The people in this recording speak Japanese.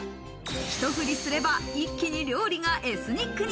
ひと振りすれば、一気に料理がエスニックに。